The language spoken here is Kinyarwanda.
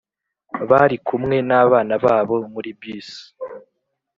bari kumwe n’abana babo muri bus